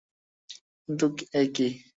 কিন্তু এ কী।